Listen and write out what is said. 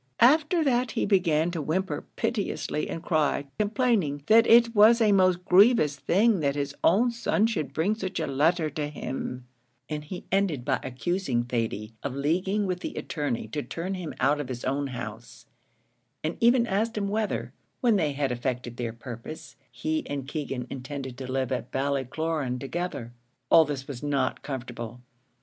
After that he began to whimper piteously and cry, complaining that it was a most grievous thing that his own son should bring such a letter to him; and he ended by accusing Thady of leaguing with the attorney to turn him out of his own house, and even asked him whether, when they had effected their purpose, he and Keegan intended to live at Ballycloran together. All this was not comfortable.